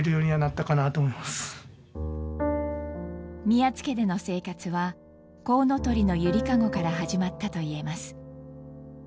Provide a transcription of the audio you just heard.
宮津家での生活はこうのとりのゆりかごから始まったといえます。